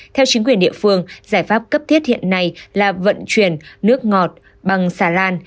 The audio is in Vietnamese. theo chính quyền địa phương giải pháp cấp thiết hiện nay là vận chuyển nước ngọt bằng xà lan